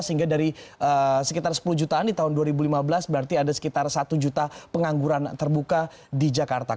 sehingga dari sekitar sepuluh jutaan di tahun dua ribu lima belas berarti ada sekitar satu juta pengangguran terbuka di jakarta